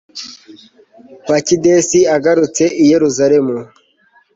bakidesi agarutse i yeruzalemu